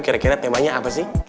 kira kira temanya apa sih